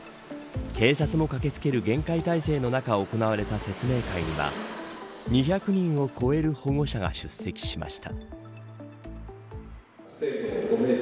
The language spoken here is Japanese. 警察も駆け付ける厳戒態勢の中行われた説明会には２００人を超える保護者が出席しました。